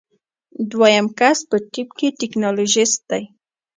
دوهم کس په ټیم کې ټیکنالوژیست دی.